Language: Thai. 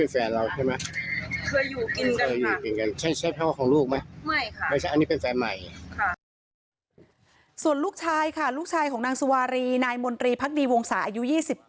ส่วนลูกชายของนางสัวทีมณธรีพัฒณีวงศาอายุ๒๗